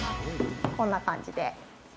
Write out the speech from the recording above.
こんな感じで。